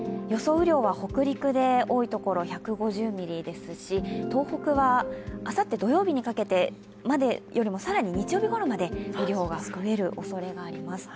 雨量は北陸で多いところは１５０ミリですし東北はあさって土曜日にかけて更に日曜日ごろまでも雨量が増えるおそれがあります。